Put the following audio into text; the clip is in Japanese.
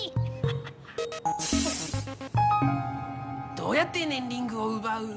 どうやってねんリングをうばう？